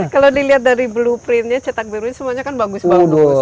kalau dilihat dari blueprintnya cetak birunya semuanya kan bagus bagus